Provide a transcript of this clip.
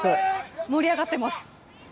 盛り上がってます。